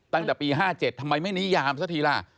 ตั้งแต่ปี๕๗ทำไมไม่นิยามซะทีล่ะ